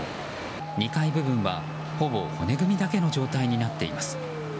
２階部分は、ほぼ骨組みだけの状態になっています。